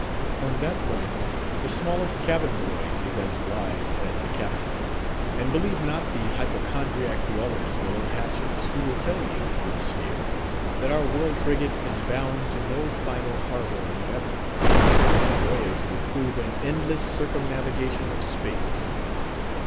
On that point, the smallest cabin boy is as wise as the Captain. And believe not the hypochondriac dwellers below hatches, who will tell you, with a sneer, that our world frigate is bound to no final harbour whatever; that our voyage will prove an endless circumnavigation of space.